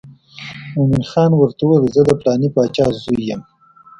مومن خان ورته وویل زه د پلانې باچا زوی یم.